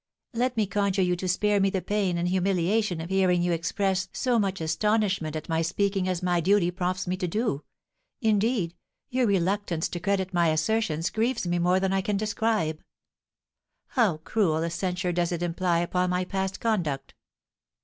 "Let me conjure you to spare me the pain and humiliation of hearing you express so much astonishment at my speaking as my duty prompts me to do; indeed, your reluctance to credit my assertions grieves me more than I can describe. How cruel a censure does it imply upon my past conduct!